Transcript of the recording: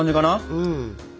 うん。